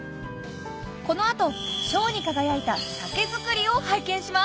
この後賞に輝いた酒造りを拝見します